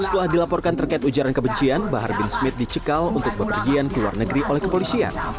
setelah dilaporkan terkait ujaran kebencian bahar bin smith dicekal untuk bepergian ke luar negeri oleh kepolisian